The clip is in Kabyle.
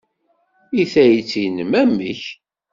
I tayet-nnem, amek?